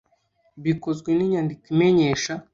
bikozwe n’inyandiko imenyesha